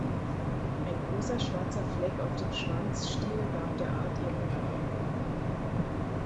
Ein großer schwarzer Fleck auf dem Schwanzstiel gab der Art ihren Namen.